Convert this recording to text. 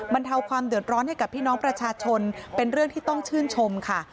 เทาความเดือดร้อนให้กับพี่น้องประชาชนเป็นเรื่องที่ต้องชื่นชมค่ะ